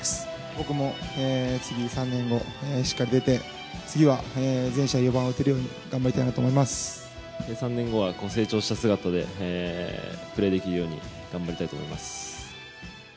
僕も次、３年後、しっかり出て次は全試合で４番を打てるように３年後は成長した姿でプレーできるように頑張りたいと思います。